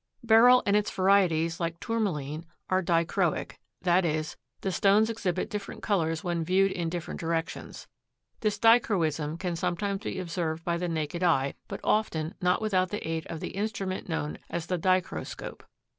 Beryl and its varieties, like tourmaline, are dichroic, i. e. the stones exhibit different colors when viewed in different directions. This dichroism can sometimes be observed by the naked eye, but often not without the aid of the instrument known as the dichroscope.